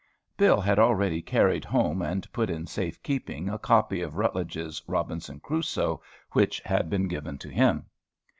Bill had already carried home and put in safe keeping a copy of Routledge's "Robinson Crusoe," which had been given to him.